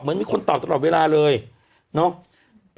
มีคนตอบตลอดเวลาเลยเนาะ